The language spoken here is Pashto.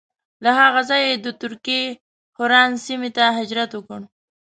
له هغه ځایه یې د ترکیې حران سیمې ته هجرت وکړ.